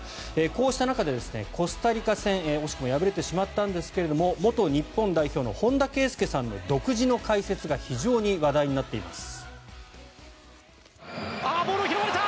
こうした中でコスタリカ戦惜しくも敗れてしまったんですが元日本代表の本田圭佑さんの独自の解説が非常に話題になっています。